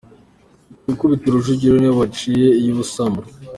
Ku ikubitiro Rujugiro ni we waciye iy’ubusamo.